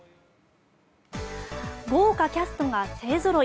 豪華キャストが勢ぞろい。